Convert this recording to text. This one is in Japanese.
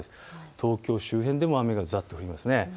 東京周辺でも雨がざっと降ります。